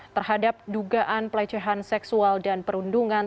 terhadap dugaan pelecehan seksual dan perundungan